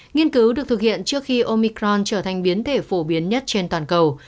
nghiên cứu được thực hiện trước khi omicron trở thành biến thể phổ biến nhất trên toàn cầu